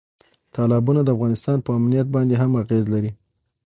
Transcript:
تالابونه د افغانستان په امنیت باندې هم اغېز لري.